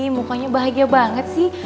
mukanya bahagia banget sih